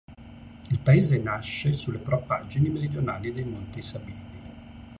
Il paese nasce sulle propaggini meridionali dei monti Sabini.